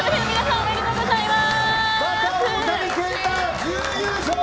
おめでとうございます。